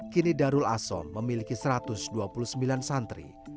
kini darul asom memiliki satu ratus dua puluh sembilan santri